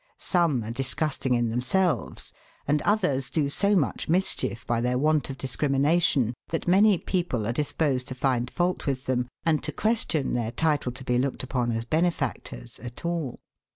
Some are disgusting in themselves, and others do so much mis chief by their want of discrimination that many people are disposed to find fault with them, and to question their title to be looked upon as benefactors at all.